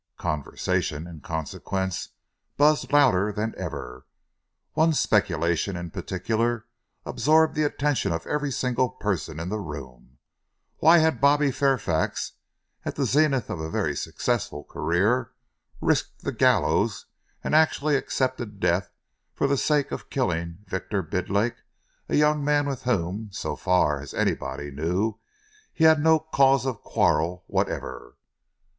Conversation, in consequence, buzzed louder than ever. One speculation in particular absorbed the attention of every single person in the room why had Bobby Fairfax, at the zenith of a very successful career, risked the gallows and actually accepted death for the sake of killing Victor Bidlake, a young man with whom, so far as anybody knew, he had no cause of quarrel whatever?